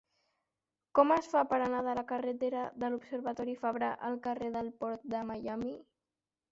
Com es fa per anar de la carretera de l'Observatori Fabra al carrer del Port de Miami?